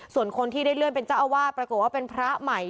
ส่วนคนที่ได้เลื่อนเป็นเจ้าอาวาสปรากฏว่าเป็นพระใหม่